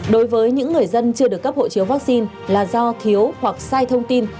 đối với những người dân chưa được cấp hộ chiếu vaccine là do thiếu hoặc sai thông tin